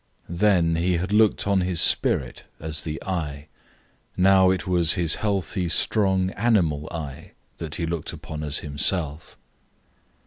Then he had looked on his spirit as the I; now it was his healthy strong animal I that he looked upon as himself.